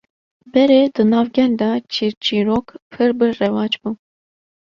Berê di nav gel de çîrçîrok pir bi rewac bû